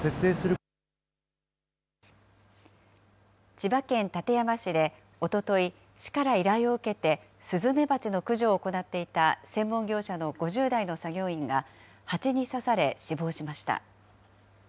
千葉県館山市で、おととい、市から依頼を受けて、スズメバチの駆除を行っていた専門業者の５０代の作業員が、ハチに刺され、死亡しました。